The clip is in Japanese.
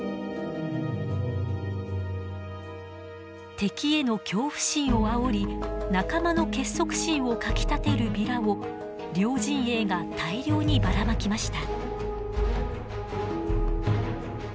敵への恐怖心をあおり仲間の結束心をかきたてるビラを両陣営が大量にばらまきました。